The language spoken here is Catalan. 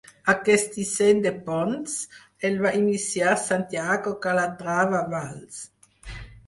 Aquest disseny de ponts, el va iniciar Santiago Calatrava Valls.